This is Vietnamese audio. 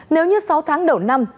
nếu như sáu tháng đầu năm